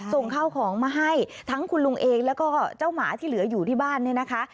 ส่งข้าวของมาให้ทั้งคุณลุงเองแล้วก็เจ้าหมาที่เหลืออยู่ที่บ้านเนี่ยนะคะ